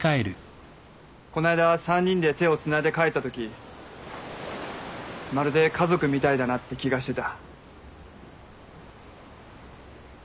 こないだ３人で手をつないで帰ったときまるで家族みたいだなって気がしてた。